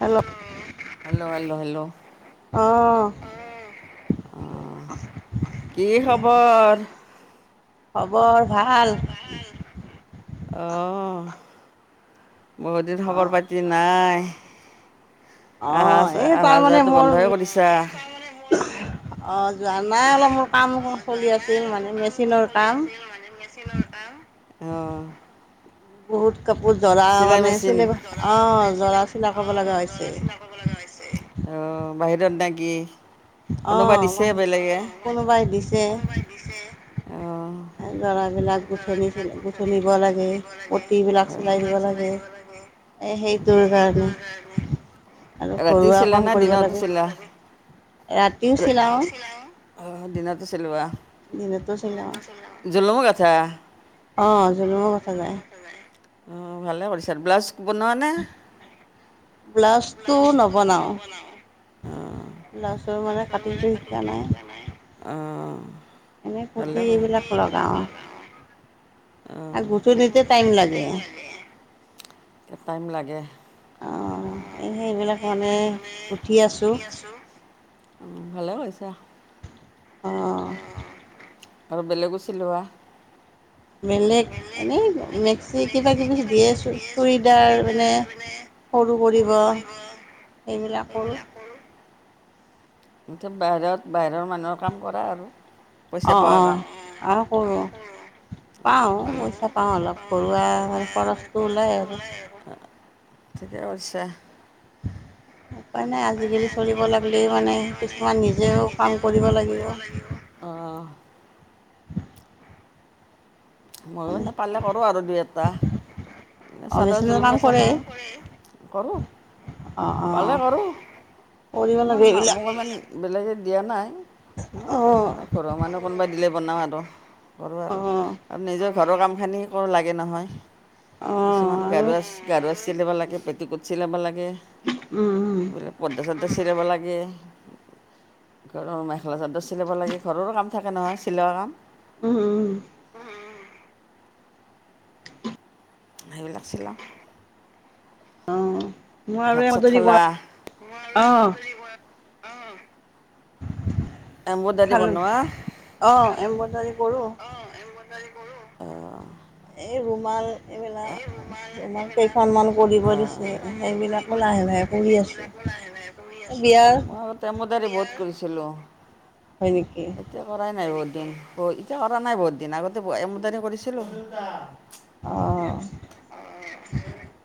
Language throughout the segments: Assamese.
হেল্ল' হেল্ল হেল্ল' হেল্ল' অ', অ কি খবৰ? খবৰ ভাল। আহ বহুত দিন খবৰ অ', পাতি নাই? আহা অ', এই চাহা অহা তাৰমানে যোৱাতো মোৰ বন্ধইে কৰিছা। অ যোৱা নাই অলপ মোৰ কাম চলি আছিল মানে মেচিনৰ কাম। মানে মেচিনৰ কাম। অ বহুত কাপোৰ জৰা চিলাই মানে মেচিন চিল অ জৰা চিলাই কৰব লগা হৈছে। অ বাহিৰত না কি? অ কোনোবা দিছে বেলেগে কোনোবাই দিছে। দিছে অঁ ল'ৰাবিলাক গুঠনিছিল গুঠনিব লাগে বিলাক চলাই দিব লাগে। এ সেইটোৰ সেইটো কাৰণে আৰু ৰাতিও ঘৰুৱা চিলা কাম না কৰিব দিনতো লাগে। চিলা? ৰাতিও চিলাই। অ দিনত চিলোৱা, দিনতো চিলাওঁ। ‌দিনটো চিলাও। জুলুমো গাথা? অ জুলুমো গাথা যায়। অ ভালে কৰিছা আৰু ব্লাউজ বনোৱা নে? ব্লাছটো নবনাওঁ। অঁ ব্লাউজৰ মানে কাটিংটো শিকা নাই। আহ এনেই কূৰ্তি এইবিলাক লগাও। উ টাইম লাগে। টাইম লাগে। অঁ এই সেইবিলাক মানে গুঠি আছোঁ। ছো অ ভালেই কৰিছা। অঁ আৰু বেলেগো চিলোৱা? বেলেগ এনেই মেক্সি কিবা কিবি দিয়ে। চুৰিদাৰ মানে সৰু কৰিব এইবিলাক কৰো। এইবিলাক কৰোঁ। এতিয়া বাহিৰত বাহিৰৰ মানুহৰ কাম কৰা আৰু পইচা অ', পোৱা অ', কাম। আৰু কৰো পাও ভালে পইচা পাও অলপ ঘৰুৱা মানে খৰচটো ওলায় আৰু। ঠিকেই কৰিছা। উ [inaudible] উপায় নাই আজিকালি চলিব লাগিলেই মানে কিছুমান নিজেও কাম কৰিব লাগিব। অ', ময়ো মানে নাপালে কৰো আৰু দুই এটা। অ চাদৰ মেচিনৰ জুলুম কাম গথা কৰে নাই, কৰো। অ অ পালে কৰো কৰিব লাগে এইবিলাক ইমানমান বেলেগে দিয়া নাই অ এনে অ ঘৰৰ মানুহ কোনোবাই দিলে বনাও আৰু। কৰো আৰু। আৰু নিজৰ ঘৰৰ কামখিনি একো লাগে নহয় অ কিছুমান গা আৰু - গাৰুৱ চিলিব লাগে পেটিকট চিলাব লাগে উম এইবিলাক পৰ্দা সৰ্দা চিলাব লাগে। ঘৰৰ মেখেলা চাদৰ চিলাব লাগে ঘৰৰো কাম থাকে নহয় চিলোৱা কাম। উম - উম। সেইবিলাক চিলাম। অ, মই ভাত আৰু এ চাত যদি খালা কোৱা অ, অ', এম্বুডাৰি খালোঁ বনোৱা। অ, এম্বুডাৰী কৰো। অ', এই ৰুমাল এইবিলাক ৰুমাল অঁ কেইখনমান কৰিব দি সেইখন মান কৰিব সেইবিলাকো লাহে - দিছে লাহে কৰি আছো। সেইবিলাকো বিয়াৰ এম্বুডাৰী বহুত কৰিছিলোঁ। হয় নেকি? এতিয়া কৰাই নাই বহুত দিন ব এতিয়া কৰা নাই বহুত দিন আগতে এম্বুডাৰী কৰিছিলোঁ। অ', অ', অ',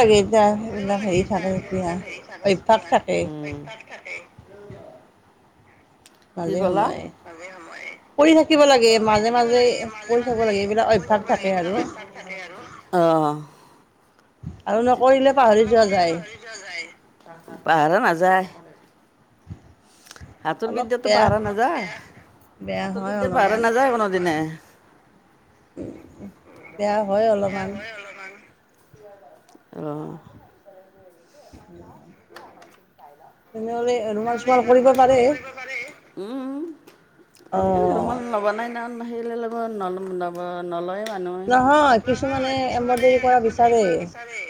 লাগে এতিয়া লাগে সেইবিলাক হেৰি থাকে এতিয়া তেতিয়া আ, হেৰি অভ্যাস থাকে চালো এতিয়া থাকে কি মাজে ক'লা সময়ে। মাজে সময়ে কৰি থাকিব লাগে মাজে-মাজে লাগে মাজে কৰি থাকিব লাগে, এইবিলাক অভ্যাস থাকে আৰু। তাকে আৰু, অ'। আৰু নকৰিলে পাহৰি যোৱা যায়। [unintelligible] পাহৰা নাযায়। হাতৰ অলপ বিদ্যাতো বেয়া পাহৰা নাযায়, বেয়া হাতৰ হয় বিদ্যাত পাহৰা অলপমান নাযায় কোনোদিনে। বেয়া হয় অলপমান হয় অলপমান। অ'। [unintelligible] তেনেহৰে ৰুমাল-চোমাল কৰিব পাৰে। উম, অঁ আজিকালি ৰুমাল নবনাই ন, আহিলে লগত ন অ', নলয় মানুহ। নহয় কিছুমানে নহয়, কিছুমানে এম্ব্ৰইডাৰী কৰা বিচাৰে এম্ব্ৰইডাৰী বিচাৰে।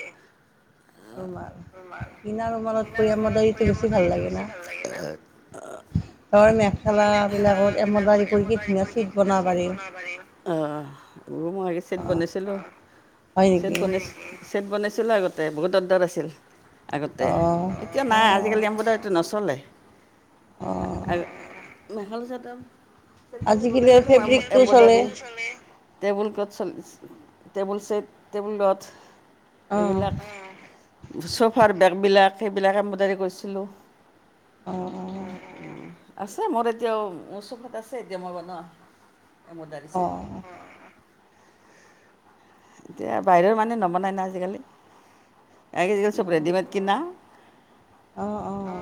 ৰুমাল। কিনা ৰুমালত বিনা কৰি ৰুমালতকৈ এম্বোদাৰিটো এমত বেছি ভাল লাগে। বেছি না ভাল লাগে। অ'। ধৰ মেখেলা বিলাকত এম্বডাৰী কৰি কি ধুনীয়া চিট বনাব পাৰি। অ', মই চেট অঁ বনাইছিলো, হয় চেট নেকি বনাইছিলো। চেট বনাইছিলো আগতে, বহুত অৰ্ডাৰ আছিল আগতে। অঁ এতিয়া নাই অঁ আজিকালি এম্ব্ৰইডাৰীটো নচলে, অঁ মেখেলা চাদৰ চেট কৰি আজিকালি বনাইছিলো, ম ফেব্ৰিকটো চলে এম্ব-এম্বডাৰীৰ। টেবুল ক্লথ চথ, টেবুল চেট, টেবুল ক্লথ। অ', এইবিলাক, চফাৰ বেগ বিলাক সেইবিলাক এমব্ৰডাৰী কৰিছিলো। অ'। আছে মোৰ এতিয়াও, চফাত আছে এতিয়া মই বন এম্বদাৰী চেট। অ', এতিয়া বাহিৰৰ মানুহে নবনায় না আজিকালি, [unintelligible] চব অ', ৰেডিমেড কিনা। অ', অ'।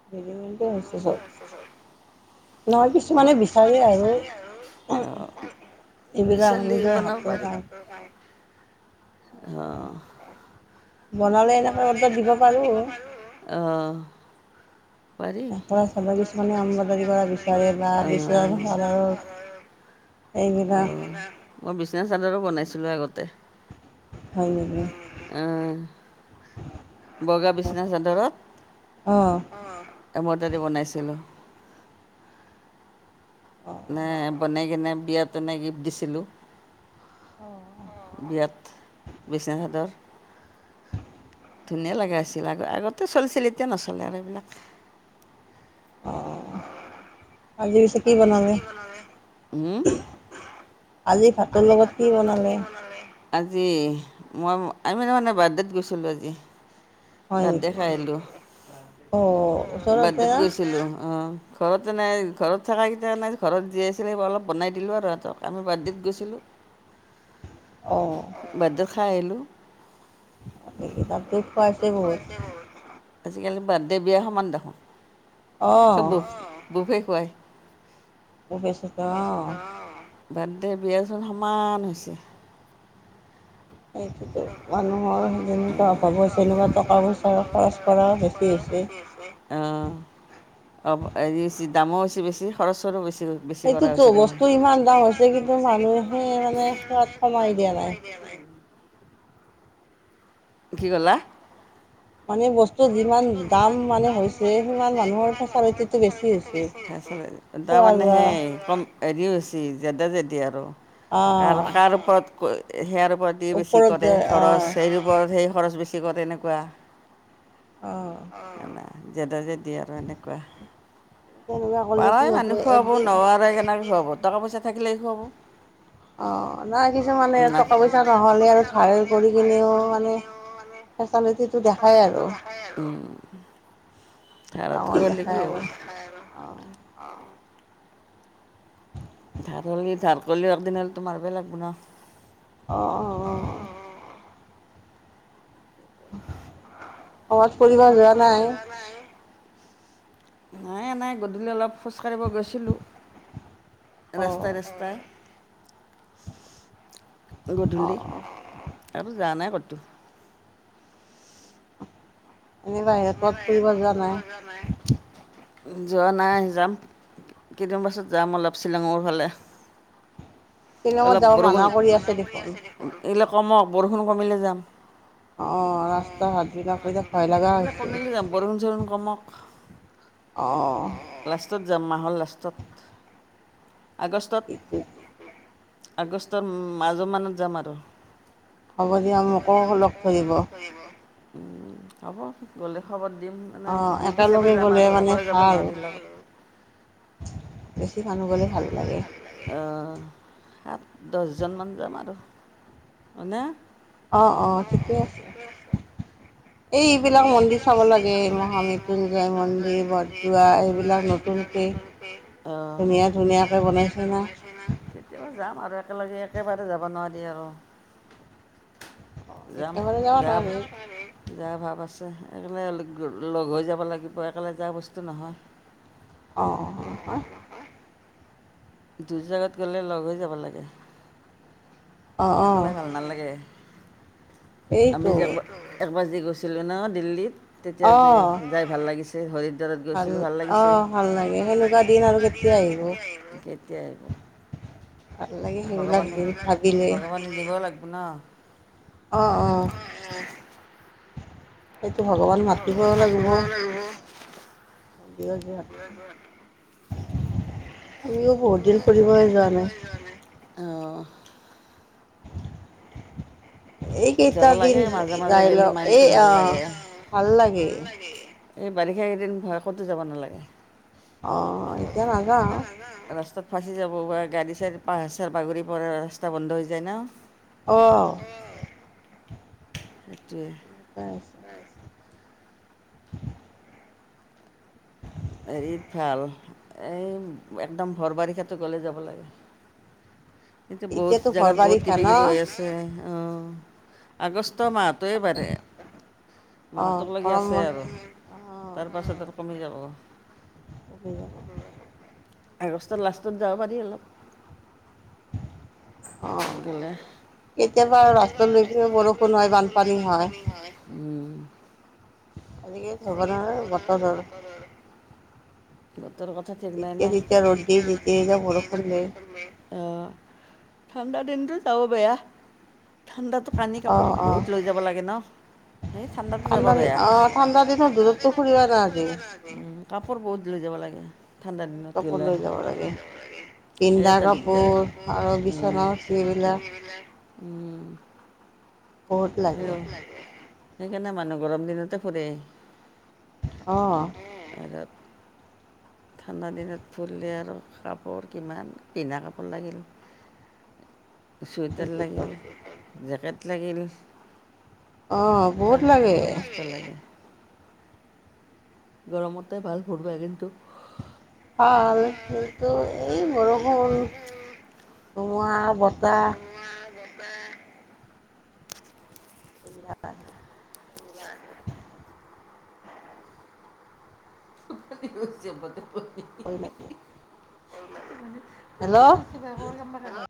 [unintelligible] নহয় কিছুমানে বিচাৰি আৰু। অঁ এইবিলাক বিচাৰিলে নিজৰ বনাব হাতৰ পাৰি, কাম। অ'। এনেকৈ বনালে অৰ্ডাৰ জানো পাৰোঁ। দিব পাৰো, অ'। পাৰি [unintelligible] মেখেলা চাদৰ কিছুমানে এম্ব্ৰইডাৰী অ', কৰা বিচাৰে বা অ'। বিচৰা অ', মই চাদৰৰ এইবিলাক বিচনা চাদৰো বনাইছিলো আগতে। হয় নিকি? অ', বগা বিছনা ছাদত, অ', এমব্ৰইডাৰী বনাইছিলোঁ। অ'। নাই বনাই কিনে, বিয়াত এনে গিফ্ট দিছিলোঁ। অ'। বিয়াত বিছনা চাদৰ। ধুনীয়া ঠিকে লাগা আছে। আছিল আগ-আগত তো চলিছিল এতিয়া নচলে আৰু এইবিলাক। অ'। আজি পিছে কি বনালে? [unintelligible] হুম? আজি ভাতৰ লগত কি বনালে? আজি, মই আমি মানে বাৰ্থডেত গৈছিলোঁ আজি। হয় বাৰডে খাই নেকি? আহিলো, অ', ওচৰতে বাৰডেত না? গৈছিলো আহ। ঘৰতে নাই, ঘৰত থকাকেইটা নাই ঘৰত যি আছিলে অলপ বনাই দিলো আৰু ইহঁতক, আমি বাৰ্থডেত গৈছো। [unintelligible] অ'। বাৰ্থডে খায় আহিলোঁ। কি তাত গৈ খোৱাটোৱে বহুত আজিকালি বাৰ্থডে বিয়া সমান দেখোন, অঁ চব বু-বুফে খুৱাই। [unintelligible] বুছত অ'। বাৰ্থডে বিয়াচোন সমান হৈছে। সেইটোতো মানুহৰ যেনেকুৱা অভাৱৰ তেনেকুৱা টকা-পইচাৰ খৰচ কৰা বেছি হৈছে। অ অ হ দামো হৈছে বেছি খৰচৰো বেছি। বেছি কৰা সেইটোতো হৈছে দেখোন বস্তু ইমান দাম হৈছে কিন্তু মানুহেহে মানে সোৱাত কমাই দিয়া নাই। কি ক'লা? অনেক বস মানে বস্তু যিমান দাম মানে সিমান হৈছে মানুহৰ সিমান মানুহৰ ফেচালিটিটো বেছি চৰিতিটো হৈছে বেছি হৈছে। খোৱা তাৰমানে লোৱা সেই কম হেৰি হৈছি জেদা জেদি আৰু কাৰ অঁ কাৰ ওপৰত ক সেয়াৰ ওপৰত তি বেছি ওপৰত কৰে যায় খৰচ অঁ সেইৰ ওপৰত সেই খৰচ বেছি কৰে তেনেকুৱা। অ। অ জেদা জেদি আৰু এনেকুৱা। তেনেকুৱা ক'লে কি পাৰাই হ'ব মানুহ খুৱাব একদিন নোৱাৰে কেনেকৈ খুৱাব টকা - পইচা থাকিলেই খুৱাব। অ নাই কিছুমানে টকা - পইচা নহ'লে আৰু ধাৰ কৰি কিনেও মানে ফেচালিটিটো দেখাই আৰু। এ ৰোম। ডাঙৰ দেখাই আৰু অ। অহ। ধদলি ঢাপলি অৰদিনা তো মাৰিব লাগিব না। অ অ অ। অ কবাত ফুৰিব যোৱা নাই? হে নাই গধূলি অলপ খোজ কাঢ়িব গৈছিলোঁ। অঁ ৰাস্তাই ৰাস্তাই। অঁ গধূলি অঁ আৰু যোৱা নাই কতো। এনেই বাহিৰে ক'ত বাহিৰত ফুৰিব যোৱা নাই। যোৱা নাই, যাম। কেইদিন পাছত যাম অলপ শ্বিলঙৰ ফালে। শ্বিলঙত অলপ যাব মানা বৰষুণ, কৰি আছে দেখোন এৰিলে কমক বৰষুণ কমিলে যাম। অ ৰাস্তা ঘাটবিলাকক কৈ থাক এইবিলাক কমিলি যাম বৰষুণ - চৰুষুণ কমক। অঁ। টত যাম মাহৰ লাষ্টত, আগষ্টত আগষ্টৰ মাজমানত যাম আৰু। হ'ব দিয়া মোকো লগ কৰিব। হ'ব গ'লে খবৰ দিম মানে অঁ গ্ৰুপ হিচাপে একেলগে যাম গ'লে আৰু মানে অকলে যাব ভাল নোৱাৰতি লও। মানুহ গ'লে বেছি ভাল ভাঙিবলে লাগে খাল লাগ আ সাত- দহজনমান যাম আৰু মানে অঁ অঁ ঠিকেই আছে। এই এইবিলাক এখনকে মন্দিৰ চাব লাগে এই মহামৃত্যুঞ্জয় মন্দিৰ, মন্দিৰ ভৰদোৱা এইবিলাক নতুনকে বৰপুখুৰী। অঁ ধুনীয়া ধুনীয়াকে বনাইছে না। কেতিয়াবা যাম আৰু একেলগে একেবাৰে যাব নোৱাৰি আৰু। অঁ যাম একেবাৰে যাব যাম। নোৱাৰি যাৰ ভাৱ আছে একেলে লগ হৈ যাব লাগিব একেলে যাৰ বস্তু নহয়। অ অ নহয়। দুৰ জাগাত গ'লে লগ হৈ যাব লাগে। অঁ অঁ একলে ভাল নালাগে আমি এইটো যে একবাৰ এক বাজি গৈছিলোঁ ন দিল্লীত তেতিয়া অঁ যাই ভাল লাগিছে হৰিদ্বাৰত ভাল গৈছিলোঁ অ লাগিছে ভাল লাগে ভাল সেনেকুৱা দিন আৰু কেতিয়া আহিব। ঠিকেই আহিব, ভাল লাগে সেইবিলাক ভগৱানে দিন ভাবিলে ভগৱানে দিব লাগিব ন? অঁ। সেইটো ভগৱান মাতিবও লাগিব। মন্দিৰত যিহেতু, তুমিও বহুত দিন ফুৰিবই যোৱা নাই? অহ এই যাব কেইটা দিন লাগে মাজে মাজে যাই গ'লে লওক এ মাইণ্ডটো ভাল আহ লাগে। ভাল লাগে এই বাৰিষা কেইদিন ভয় ক'তো যাব নালাগে। অ এতিয়া নাযাওঁ, ৰাস্তাত ফাচি যাব পাৰে গাড়ী চাড়ী পাঁহাৰ চাহাৰ বাগৰি পৰে ৰাস্তা বন্ধ হৈ যায় ন, অ সেইটোৱে [unintelligible] হেৰিত ভাল এই একদম ভৰ বাৰিষাতো গ'লে যাব লাগে এতিয়া বহুত এতিয়াতো ঘৰ জেগাত বহুত বাৰিষা কিবা কিবি হৈ ন আছে অঁ আগষ্ট মাহত এইবাৰে অঁ মাহতক লাগি আছে গৰমত আৰু অঁ তাৰপাছত আৰু কমি যাব কমি যাব আগষ্টৰ লাষ্টত যাব পাৰি অলপ অঁ মনগ'লে কেতিয়াবা ৰাস্তা বৰষুণ হয় বানপানী হয় উম আজিকালি সাবধানৰ বতৰৰ বতৰৰ কথা ঠিক নাই ন, যেতিয়া তেতিয়া ৰ'দ দিয়ে যেতিয়া তেতিয়া বৰষুণ দিয়ে। ঠাণ্ডা দিনটো যাওঁ বেয়া ঠাণ্ডাতো কানি কাপোৰ অঁ অঁ বহুত লৈ যাব লাগে ন সেই ঠাণ্ডাটো যাব ঠাণ্ডা দিন বেয়া অ ঠাণ্ডা দিনত দূৰতো ফুৰিবা নালাগে উম কাপোৰ বহুত লৈ যাব লাগে ঠাণ্ডা বহুত দিনত কাপোৰ গ'লে লৈ যাব লাগে এই পিন্ধা এটা দিগদাৰ কাপোৰ আৰু উম, বিচনাৰ বিলাক উম। বহুত অ, লাগে সেইকাৰণে মানুহ গৰম দিনতে ফুৰে। অ। আৰু ঠাণ্ডা দিনত ফুৰিলে আৰু কাপোৰ কিমান পিন্ধা কাপোৰ লাগিল। চুৱেটাৰ লাগিল জেকেট লাগিল। অঁ বহুত লাগে সমস্ত লাগে। গৰমতে ভাল ফুৰিব কিন্তু। ভাল কিন্তু এই বৰষুণ ধুমুহা বতাহ বাপা [unintelligible] এইবিলাক আহে নি চ বত [unintelligible] কৰিলে। উ। হেল্ল'। গামাক [unintelligible]